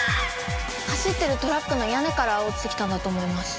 走ってるトラックの屋根から落ちてきたんだと思います。